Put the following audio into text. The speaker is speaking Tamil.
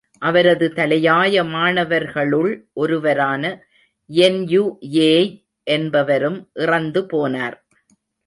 அவரது தலையாய மாணவர்களுள் ஒருவரான யென்யு யேய் என்பவரும் இறந்துபோனார்.